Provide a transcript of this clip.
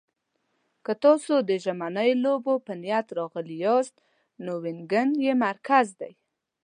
که تاسو د ژمنیو لوبو په نیت راغلي یاست، نو وینګن یې مرکز دی.